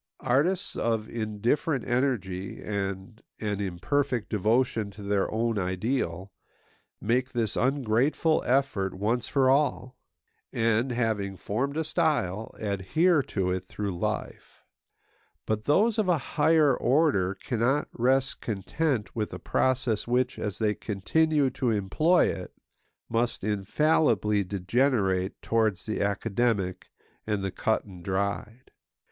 Artists of indifferent energy and an imperfect devotion to their own ideal make this ungrateful effort once for all; and, having formed a style, adhere to it through life. But those of a higher order cannot rest content with a process which, as they continue to employ it, must infallibly degenerate towards the academic and the cut and dried.